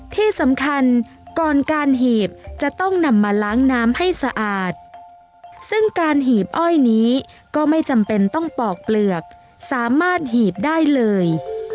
ที่สำคัญก่อนการหีบจะต้องนำมาล้างน้ำให้สะอาดซึ่งการหีบอ้อยนี้ก็ไม่จำเป็นต้องปอกเปลือกสามารถหีบได้เลย